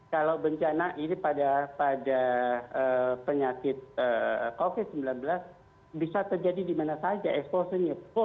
kalau bencana ini pada penyakit covid sembilan belas bisa terjadi di mana saja exposure nya